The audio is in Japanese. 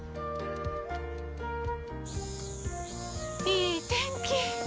いい天気！